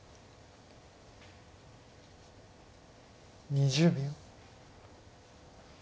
２０秒。